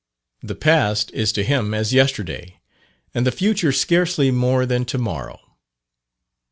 The past is to him as yesterday, and the future scarcely more than to morrow.